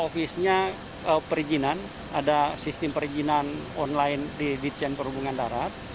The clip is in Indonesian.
visinya perizinan ada sistem perizinan online di dijen perhubungan darat